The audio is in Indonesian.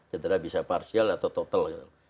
cedera bisa partial atau total gitu